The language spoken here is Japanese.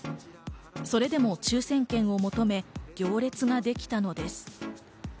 それでも抽選券を求め行列ができたのです。